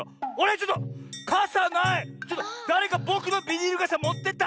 ちょっとだれかぼくのビニールがさもってった！